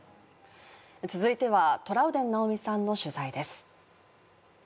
続いてはトラウデン直美さんの取材です